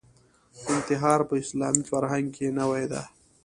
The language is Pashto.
انتحار په اسلامي فرهنګ کې نوې ده